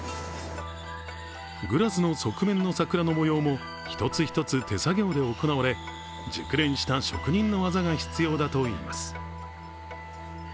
グラスの側面の桜の模様も一つ一つ手作業で行われ、熟練した職人の技が必要だといいます。